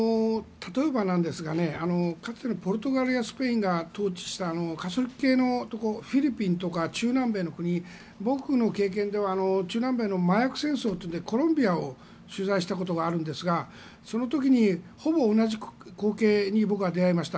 例えばなんですがかつてのポルトガルやスペインが統治したカソリック系のところフィリピンとか中南米の国僕の経験では中南米の麻薬戦争でコロンビアを取材したことがあるんですがその時に、ほぼ同じ光景に僕は出会いました。